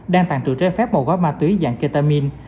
đang tàn trữ trái phép một gói ma túy dạng ketamin